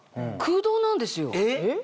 えっ？